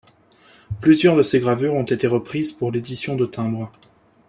Plusieurs de ses gravures ont été reprises pour l'édition de timbres.